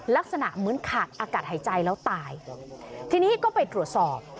ลักษณะเหมือนขาดอากาศหายใจแล้วตายทีนี้ก็ไปตรวจสอบ